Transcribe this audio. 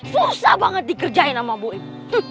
susah banget dikerjain sama bu ib